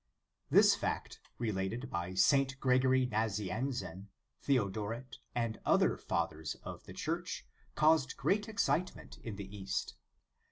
* This fact, related by St. Gregory Nazianzen, Theodoret, and other Fathers of the Church, caused great excitement in the East.